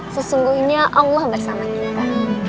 sesungguhnya allah bersama kita